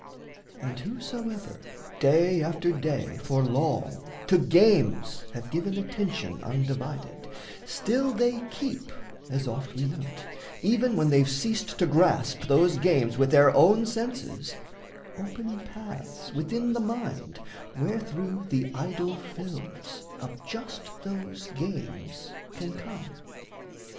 And whosoever Day after day for long to games have given Attention undivided, still they keep (As oft we note), even when they've ceased to grasp Those games with their own senses, open paths Within the mind wherethrough the idol films Of just those games can come.